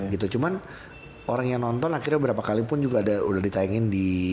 gitu cuman orang yang nonton akhirnya berapa kalipun juga ada udah ditayangin di